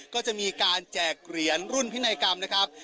ก็จะมีการแจกเหรียญรุ่นพินัยกรรมนะครับ